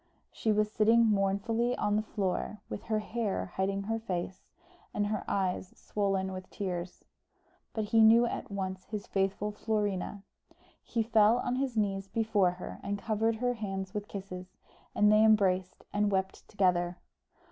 She was sitting mournfully on the floor, with her hair hiding her face, and her eyes swollen with tears; but he knew at once his faithful Florina. He fell on his knees before her covered her hands with kisses, and they embraced and wept together.